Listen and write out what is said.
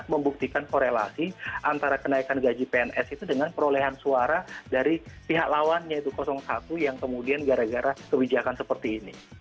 membuktikan korelasi antara kenaikan gaji pns itu dengan perolehan suara dari pihak lawannya itu satu yang kemudian gara gara kebijakan seperti ini